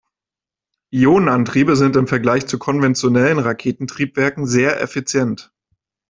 Ionenantriebe sind im Vergleich zu konventionellen Raketentriebwerken sehr effizient.